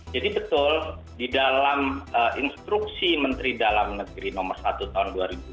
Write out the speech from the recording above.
jadi betul di dalam instruksi menteri dalam negeri nomor satu tahun dua ribu dua puluh satu